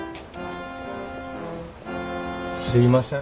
すいません。